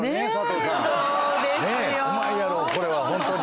ねえうまいやろこれはホントに